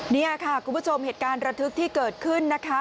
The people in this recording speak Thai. นี่ค่ะคุณผู้ชมเหตุการณ์ระทึกที่เกิดขึ้นนะคะ